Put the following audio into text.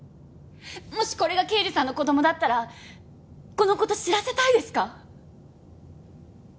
もしこれが刑事さんの子供だったらこの事知らせたいですか？